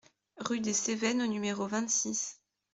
RUE DES CEVENNES au numéro vingt-six